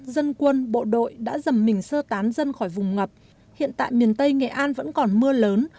dân quân bộ đội đã dầm mình sơ tán dân khỏi vùng ngập hiện tại miền tây nghệ an vẫn còn mưa lớn